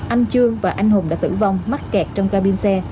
anh chương và anh hùng đã tử vong mắc kẹt trong ca binh xe